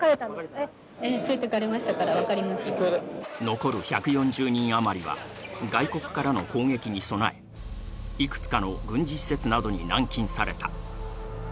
残る１４０人あまりは外国からの攻撃に備え幾つかの軍事施設などに軟禁された。